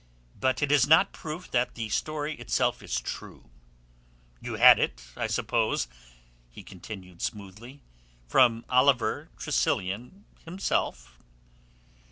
But it is not proof that the story itself is true. You had it, I suppose," he continued smoothly, "from Oliver Tressilian himself?"